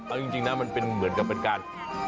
เอาจริงนะมันเป็นเหมือนกับเป็นการ